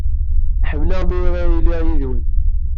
Ḥemmleɣ mi ara iliɣ yid-wen.